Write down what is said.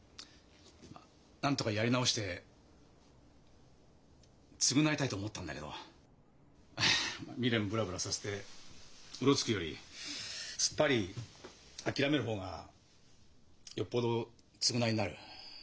なんとかやり直して償いたいと思ったんだけど未練ブラブラさせてうろつくよりすっぱり諦める方がよっぽど償いになる。